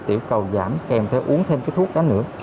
tiểu cầu giảm kèm theo uống thêm cái thuốc đó nữa